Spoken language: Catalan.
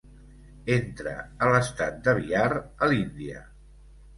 Entra a l'estat de Bihar a l'Índia.